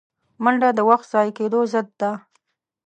منډه د وخت ضایع کېدو ضد ده